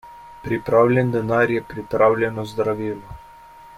Pripravljen denar je pripravljeno zdravilo.